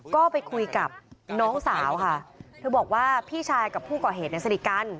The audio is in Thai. ก็ไปคุยกับน้องสาวค่ะเธอบอกว่าพี่ชายกับผู้ก่อเหตุเนี่ยสนิทกัน